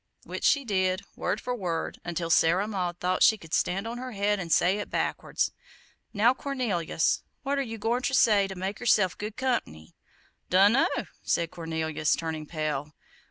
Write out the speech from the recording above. which she did, word for word, until Sarah Maud thought she could stand on her head and say it backwards. "Now, Cornelius, what are YOU goin' ter say ter make yerself good comp'ny?" "Dunno!" said Cornelius, turning pale.